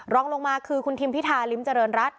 รองลงมาคือคุณทิมพิธาริมเจริญรัฐ